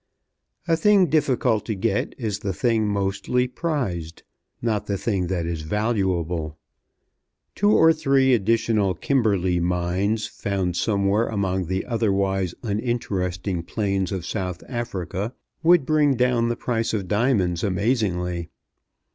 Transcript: A thing difficult to get is the thing mostly prized, not the thing that is valuable. Two or three additional Kimberley mines found somewhere among the otherwise uninteresting plains of South Africa would bring down the price of diamonds amazingly.